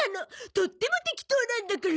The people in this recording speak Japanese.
とっても適当なんだから。